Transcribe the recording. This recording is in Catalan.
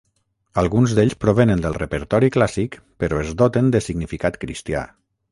Alguns d'ells provenen del repertori clàssic però es doten de significat cristià.